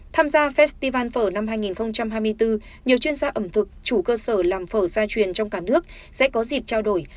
tham gia festival phở năm hai nghìn hai mươi bốn nhiều chuyên gia ẩm thực chủ cơ sở làm phở gia truyền trong cả nước sẽ có dịp trao đổi